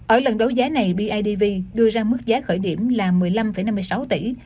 ở lần đấu giá này bidv đưa ra mức giá khởi điểm là một mươi năm năm mươi sáu tỷ